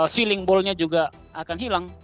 feeling ball nya juga akan hilang